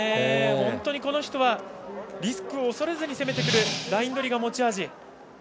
本当にこの人はリスクを恐れずに攻めてくるライン取りが持ち味。